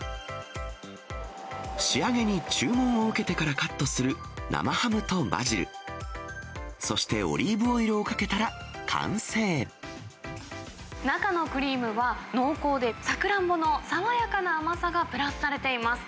仕上げに注文を受けてからカットする生ハムとバジル、そしてオリ中のクリームは、濃厚でさくらんぼの爽やかな甘さがプラスされています。